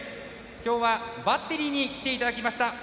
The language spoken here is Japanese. きょうは、バッテリーに来ていただきました。